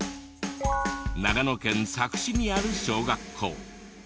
長野県佐久市にある小学校。